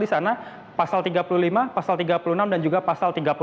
di sana pasal tiga puluh lima pasal tiga puluh enam dan juga pasal tiga puluh delapan